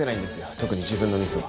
特に自分のミスは。